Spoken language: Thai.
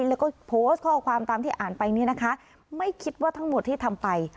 แล้วก็โพสต์ข้อความตามที่อ่านไปเนี่ยนะคะไม่คิดว่าทั้งหมดที่ทำไป